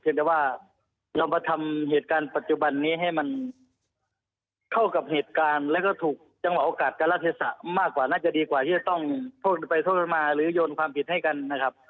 แต่ว่าเรามาทำเหตุการณ์ปัจจุบันนี้ให้มันเข้ากับเหตุการณ์แล้วก็ถูกจังหวะโอกาสการรัฐเทศะมากกว่าน่าจะดีกว่าที่จะต้องโทษไปโทษมาหรือโยนความผิดให้กันนะครับ